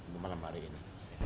di malam hari ini